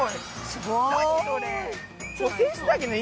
すごい！何？